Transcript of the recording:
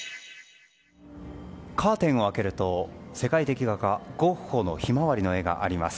カーテンを開けると世界的画家ゴッホの「ひまわり」の絵があります。